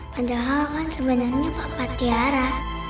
padahal kan sebenarnya bapak tiara